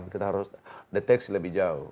kita harus deteksi lebih jauh